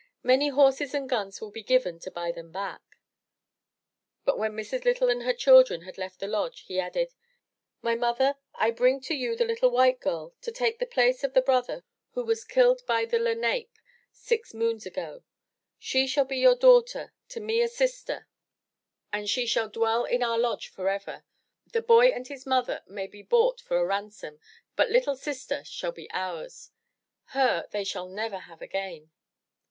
Many horses and guns will be given to buy them back." But when Mrs. L3rtle and her children had left the lodge, he added :" My mother, I bring to you the little white girl to take the place of the brother who was killed by the Lenape six moons ago. She shall be to you a daughter, to me a sister, and she shall dwell in our lodge forever. The boy and his mother may be bought for a ransom, but little sister shall be ours. Her they shall never have again."